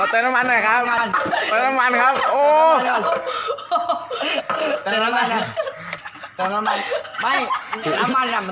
แต่ก็ไม่รู้ว่าจะมีใครอยู่ข้างหลัง